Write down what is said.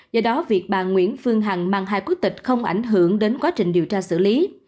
do đó việc bà nguyễn phương hằng mang hai quốc tịch không ảnh hưởng đến quá trình điều tra xử lý